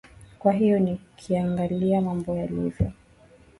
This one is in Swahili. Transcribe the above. kwa hiyo ni nikiangalia mambo yalivyo